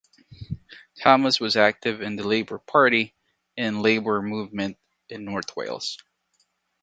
Thomas was active in the Labour Party and labour movement in North Wales.